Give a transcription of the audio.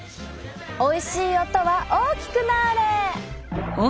おいしい音は大きくなれ！